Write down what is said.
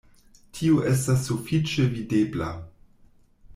Tio estas sufiĉe videbla.